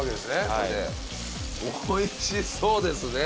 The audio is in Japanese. これでおいしそうですね